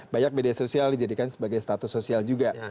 banyak media sosial dijadikan sebagai status sosial juga